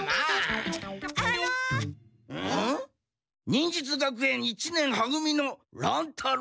忍術学園一年は組の乱太郎。